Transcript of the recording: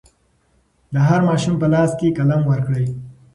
د هر ماشوم په لاس کې قلم ورکړئ.